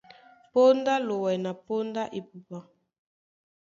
Póndá á lowɛ na póndá epupa.